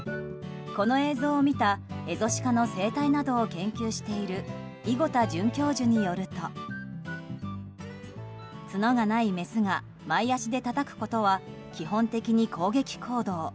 この映像を見たエゾシカの生態などを研究している伊吾田准教授によると角がないメスが前足でたたくことは基本的に攻撃行動。